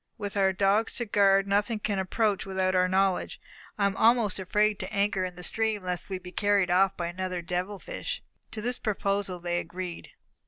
With our dogs to guard, nothing can approach without our knowledge. I am almost afraid to anchor in the stream, lest we should be carried off by another devil fish." To this proposal they agreed.